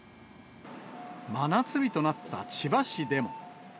真夏日となった千葉市でも。